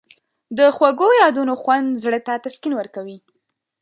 د خوږو یادونو خوند زړه ته تسکین ورکوي.